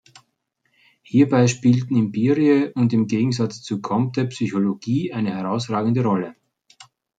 Hierbei spielten Empirie und, im Gegensatz zu Comte, Psychologie eine herausragende Rolle.